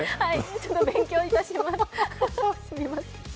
ちょっと勉強いたします、すみません。